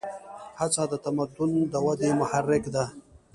هڅه د تمدن د ودې محرک ده.